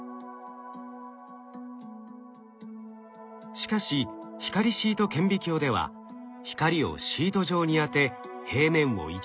しかし光シート顕微鏡では光をシート状に当て平面を一度に撮影できます。